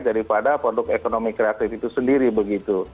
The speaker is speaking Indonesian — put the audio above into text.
daripada produk ekonomi kreatif itu sendiri begitu